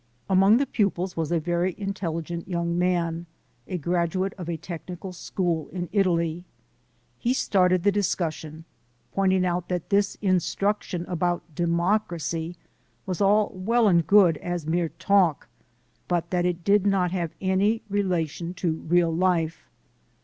Among the pupils was a very intelligent young man, .a graduate of a technical school in Italy. He started the discussion, pointing out that this in struction about democracy was all well and good as mere talk, but that it did not have any relation to real life.